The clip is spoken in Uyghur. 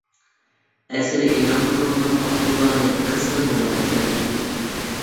ئەسىرى ئېلان قىلىنغان ئاپتورلارنى قىزغىن مۇبارەكلەيمەن.